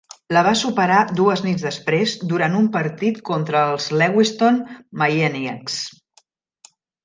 La va superar dues nits després durant un partit contra els Lewiston Maineiacs.